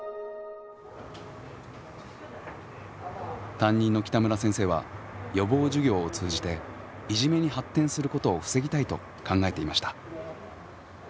担任の北村先生は予防授業を通じていじめに発展することを防ぎたいと考えていました。